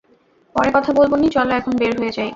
পরে কথা বলবো নি চলো এখন বের হয়ে যাই।